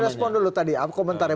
coba direspon dulu tadi komentarnya